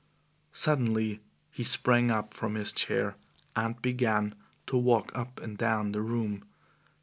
Suddenly he sprang up from his chair and began to walk up and down the room.